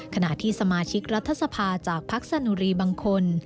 ขณะที่สมาชิกรัฐสภาจากพักสนุรีบางคน